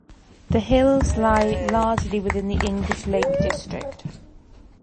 The hills lie largely within the English Lake District.